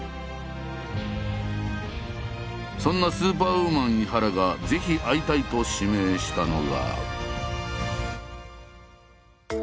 そんなスーパーウーマン井原がぜひ会いたいと指名したのが。